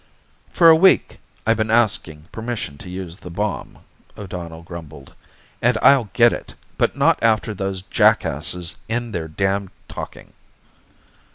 "For a week I've been asking permission to use the bomb," O'Donnell grumbled. "And I'll get it, but not until after those jackasses end their damned talking."